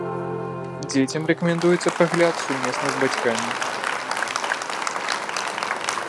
Дзецям рэкамендуецца прагляд сумесна з бацькамі.